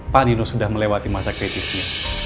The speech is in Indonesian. pak nino sudah melewati masa kritisnya